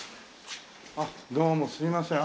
あっどうもすいません。